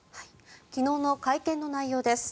昨日の会見の内容です。